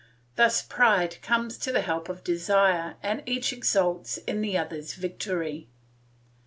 Thus pride comes to the help of desire and each exults in the other's victory.